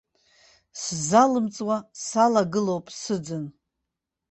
Сзалымҵуа салагылоуп сыӡын.